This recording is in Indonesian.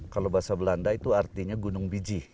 kalau bahasa belanda itu artinya gunung biji